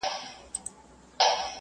موږ باید د پوهې په خپرولو کې مرسته وکړو.